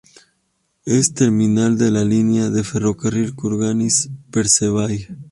Es terminal de la línea de ferrocarril Kurgáninsk-Psebai.